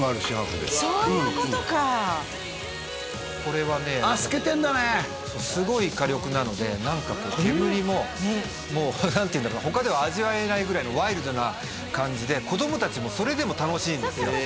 そういうことかこれはねあっ透けてんだねそうすごい火力なので何かこう煙ももう何ていうんだろうな他では味わえないぐらいのワイルドな感じで子ども達もそれでも楽しいんですよ